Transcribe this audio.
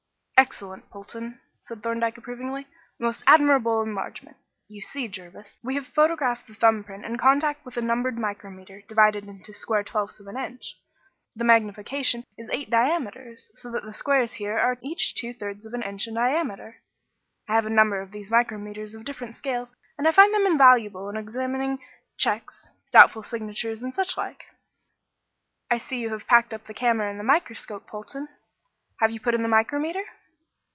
"Excellent, Polton," said Thorndyke approvingly; "a most admirable enlargement. You see, Jervis, we have photographed the thumb print in contact with a numbered micrometer divided into square twelfths of an inch. The magnification is eight diameters, so that the squares are here each two thirds of an inch in diameter. I have a number of these micrometers of different scales, and I find them invaluable in examining cheques, doubtful signatures and such like. I see you have packed up the camera and the microscope, Polton; have you put in the micrometer?"